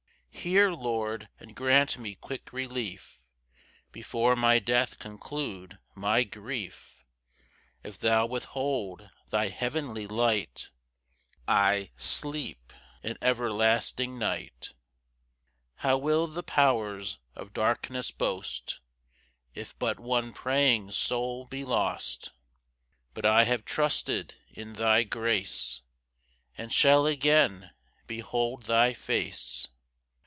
4 Hear, Lord, and grant me quick relief, Before my death conclude my grief; If thou withhold thy heavenly light, I sleep in everlasting night. 5 How will the powers of darkness boast, If but one praying soul be lost! But I have trusted in thy grace, And shall again behold thy face.